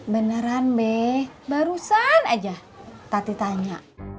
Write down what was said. beneran be barusan aja tat ditanya